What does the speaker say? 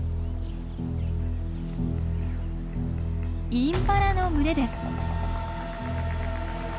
インパラの群れです！